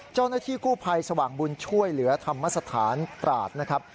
เจ้าหน้าที่กู้ภัยสว่างบุญช่วยเหลือธรรมสถานตราดนะครับ